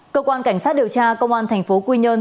cơ quan cảnh sát điều tra công an thành phố quy nhơn